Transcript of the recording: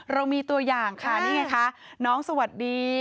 เรามีตัวอย่างค่ะนี่ไงคะน้องสวัสดี